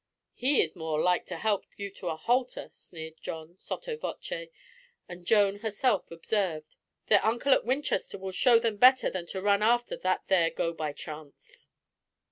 He is more like to help you to a halter," sneered John, sotto voce, and Joan herself observed, "Their uncle at Winchester will show them better than to run after that there go by chance."